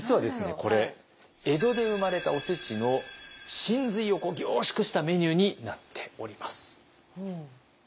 これ江戸で生まれたおせちの神髄を凝縮したメニューになっております。